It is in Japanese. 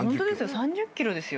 ３０ｋｍですよ。